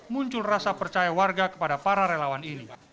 muncul rasa percaya warga kepada para relawan ini